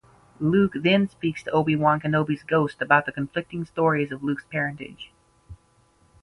Luke then speaks to Obi-Wan Kenobi's ghost about the conflicting stories of Luke's parentage.